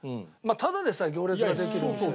ただでさえ行列ができる店。